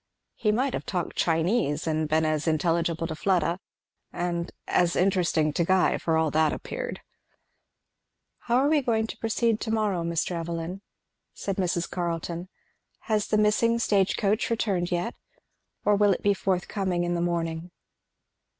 He might have talked Chinese and been as intelligible to Fleda, and as interesting to Guy, for all that appeared. "How are we going to proceed to morrow, Mr. Evelyn?" said Mrs. Carleton. "Has the missing stage coach returned yet? or Will it be forthcoming in the morning?"